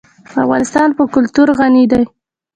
افغانستان په کلتور غني دی.